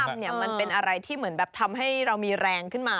มันเป็นอะไรที่เหมือนแบบทำให้เรามีแรงขึ้นมา